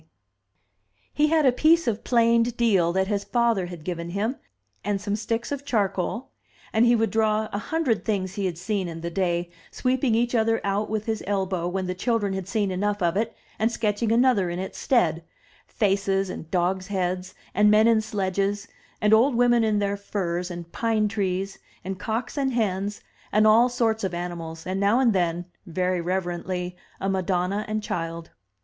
MY BOOK HOUSE He had a piece of planed deal that his father had given him, and some sticks of charcoal, and he would draw a hundred things he had seen in the day, sweeping each out with his elbow when the children had seen enough of it atid sketching another in its stead — faces and dogs' heads, and men in sledges, and old women in their furs, and pine trees, and cocks and hens, and all sorts of animals, and now and then — ^very reverently — a Madonna and Child.